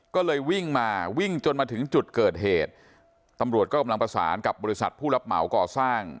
ก็เลยวิ่งมาวิ่งจนมาถึงจุดเกิดเหตุตำรวจก็กำลังประสานกับบริษัทผู้รับเหมาก่อสร้าง